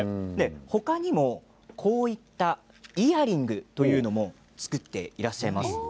他にもこういったイヤリングというのも作っていらっしゃいます。